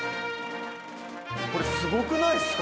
これすごくないですか？